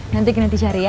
nanti nanti cari ya